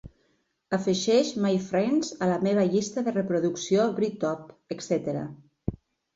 Afegeix My Friend a la meva llista de reproducció Britpop, etc.